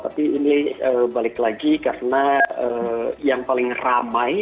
tapi ini balik lagi karena yang paling ramai